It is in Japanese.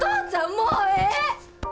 もうええ！